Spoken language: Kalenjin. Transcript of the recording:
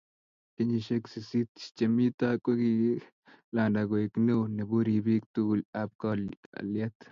kenyishek sisit che mii tai kokikilanda koek neo nebo ripik tugul ab kalyet